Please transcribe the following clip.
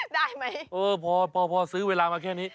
ได้ไหมเออพอซื้อเวลามาแค่นี้